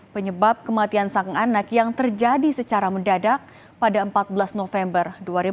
penyebab kematian sang anak yang terjadi secara mendadak pada empat belas november dua ribu dua puluh